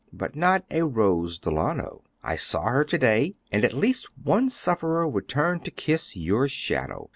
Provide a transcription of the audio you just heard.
"But not a Rose Delano. I saw her to day, and at least one sufferer would turn to kiss your shadow.